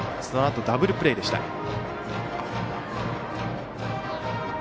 そのあとダブルプレーでした。